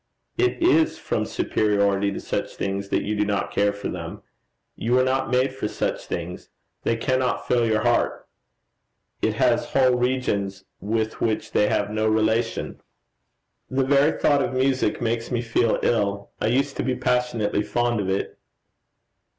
'It is from superiority to such things that you do not care for them. You were not made for such things. They cannot fill your heart. It has whole regions with which they have no relation.' 'The very thought of music makes me feel ill. I used to be passionately fond of it.'